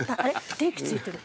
電気ついてる。